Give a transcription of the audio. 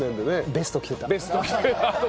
「ベスト着てた！」